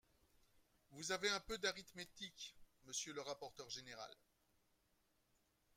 Vous avez un peu d’arithmétique, monsieur le rapporteur général.